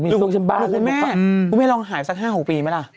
คุณแม่คุณแม่ลองหายสัก๕๖ปีไหมล่ะ